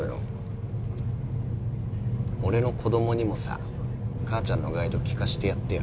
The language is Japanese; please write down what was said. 俺の子供にもさ母ちゃんのガイド聞かしてやってよ。